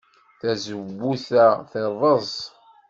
Tazewwut-a terreẓ.